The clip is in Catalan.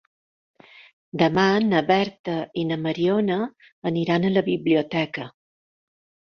Demà na Berta i na Mariona aniran a la biblioteca.